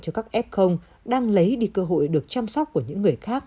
cho các f đang lấy đi cơ hội được chăm sóc của những người khác